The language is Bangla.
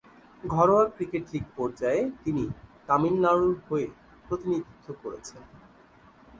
ঘরোয়া ক্রিকেট লীগ পর্যায়ে তিনি তামিলনাড়ুর হয়ে প্রতিনিধিত্ব করেছেন।